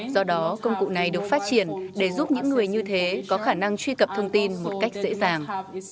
do đó công cụ này được phát triển để giúp những người như thế có khả năng truy cập thông tin một cách dễ dàng